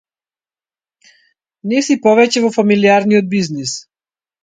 Не си повеќе во фамилијарниот бизнис.